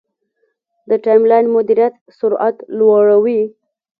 د ټایملاین مدیریت سرعت لوړوي.